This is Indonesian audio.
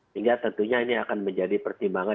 sehingga tentunya ini akan menjadi pertimbangan